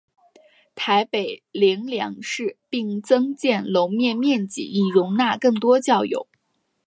台北灵粮堂并增建楼面面积以容纳更多教友。